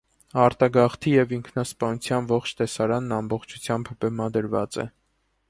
Արտագաղթի և ինքնասպանության ողջ տեսարանն ամբողջությամբ բեմադրված է։